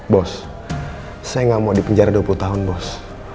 bos saya nggak mau dipenjara dua puluh tahun bos